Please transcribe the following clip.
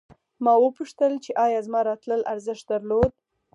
ما وپوښتل چې ایا زما راتلل ارزښت درلود